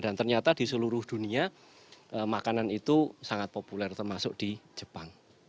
dan ternyata di seluruh dunia makanan itu sangat populer termasuk di jepang